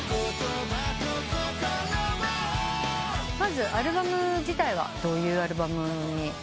まずアルバム自体はどういうアルバムに？